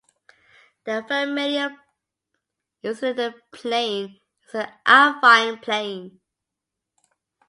The familiar Euclidean plane is an affine plane.